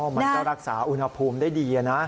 มันก็รักษาอุณหภูมิได้ดีนะ